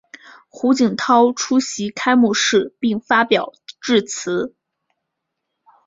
胡锦涛出席开幕式并发表致辞。